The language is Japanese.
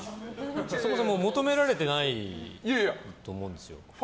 そもそも求められてないと思うんですよ。